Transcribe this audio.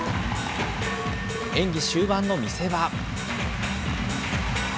演技終盤の見せ場。